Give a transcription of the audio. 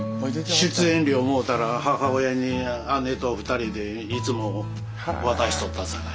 出演料もろたら母親に姉と２人でいつも渡しとったさかい。